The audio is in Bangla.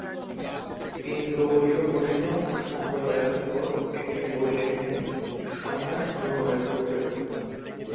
তিনি গৌড়ীয় বৈষ্ণব সম্প্রদায়ের উপর একটি বই লেখেন সন্ন্যাস গ্রহণের পূর্বে।